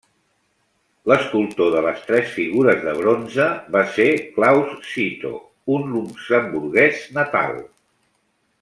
L'escultor de les tres figures de bronze va ser Claus Cito, un luxemburguès natal.